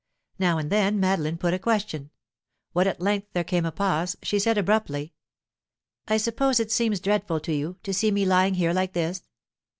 Now and then Madeline put a question. When at length there came a pause, she said abruptly: "I suppose it seems dreadful to you, to see me lying here like this?"